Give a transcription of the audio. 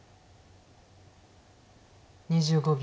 ２５秒。